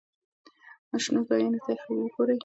شنو ځایونو ته وګورئ.